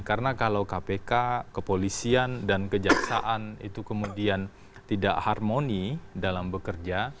karena kalau kpk kepolisian dan kejaksaan itu kemudian tidak harmoni dalam bekerja